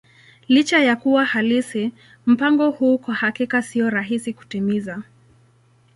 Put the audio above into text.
Licha ya kuwa halisi, mpango huu kwa hakika sio rahisi kutimiza.